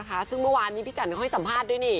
ค่ะซึ่งเมื่อวานนี่พี่จันทร์ก็ตอบจะให้สัมภาษณ์ด้วยนี่